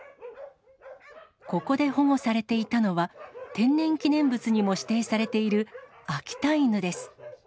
ここで保護されていたのは、天然記念物にも指定されている秋田犬です。